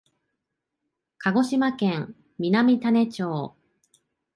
鹿児島県南種子町